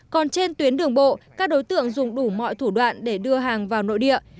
còn trên tuyến đường bộ các đối tượng dùng đủ mọi thủ đoạn để đưa hàng vào nội địa